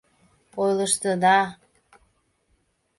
— Ойлыштыда!